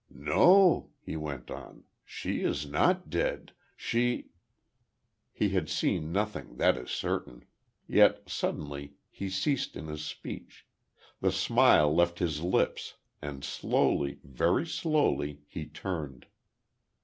"No," he went on, "she is not dead. She " He had seen nothing, that is certain. Yet, suddenly he ceased in his speech; the smile left his lips; and slowly, very slowly, he turned.